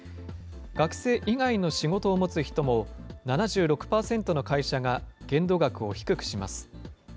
学生以外の仕事を持つ人も、７６％の会社が限度額を低くします。